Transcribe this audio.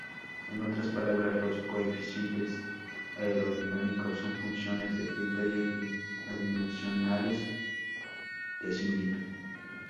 En otras palabras, los coeficientes aerodinámicos son funciones de criterios adimensionales de similitud.